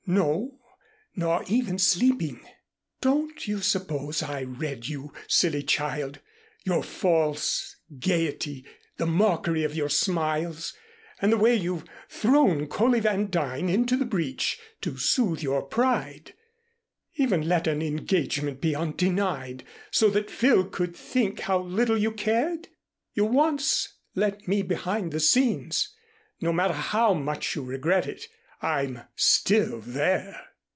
"No nor even sleeping. Don't you suppose I read you, silly child, your false gayety, the mockery of your smiles, and the way you've thrown Coley Van Duyn into the breach to soothe your pride even let an engagement be undenied so that Phil could think how little you cared? You once let me behind the scenes; no matter how much you regret it, I'm still there."